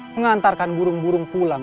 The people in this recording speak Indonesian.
mengantarkan burung burung pulang